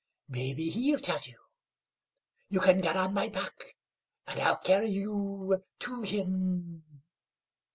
Maybe he'll tell you. You can get on my back, and I'll carry you to him."